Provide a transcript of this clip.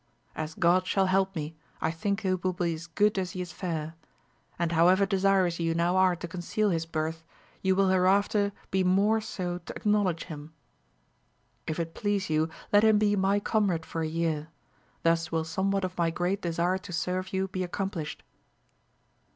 As God shall help me, I think he will be as good as he is fair ; and however desirous you now are to conceal his birth, you will hereafter be more so to acknow ledge him. If it please you, let him be my comrade for a year : thus will somewhat of my great desire to serve you be accomplished.